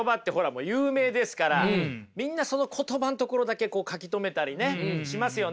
もう有名ですからみんなその言葉のところだけこう書き留めたりねしますよね。